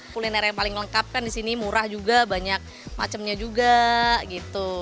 kuliner yang paling lengkap kan disini murah juga banyak macemnya juga gitu